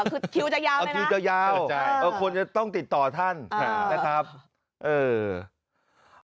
คือคิวจะยาวคิวจะยาวคนจะต้องติดต่อท่านนะครับเออ